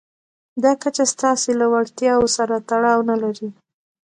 دا کچه ستاسې له وړتیاوو سره تړاو نه لري.